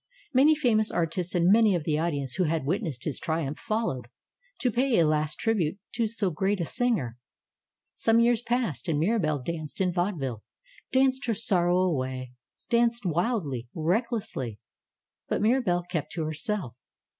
Many famous artists and many of the audience who had witnessed his triumph followed, to pay a last trib ute to so great a singer. Some 3 ^ears passed and Mirabelle danced in vaude ville, danced her sorrow away, danced wildly, recklessly. But Mirabelle kept to herself.